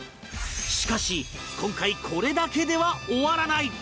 しかし、今回これだけでは終わらない！